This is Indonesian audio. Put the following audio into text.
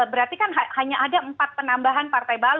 berarti kan hanya ada empat penambahan partai baru